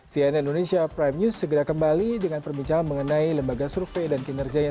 cnn indonesia prime news segera kembali dengan perbincangan mengenai lembaga survei dan kinerjanya